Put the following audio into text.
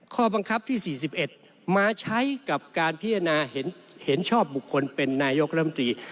ข้อบังคับที่๔๑มาใช้กับการพิจารณาเห็นชอบบุคคลเป็นนายกรัมตรี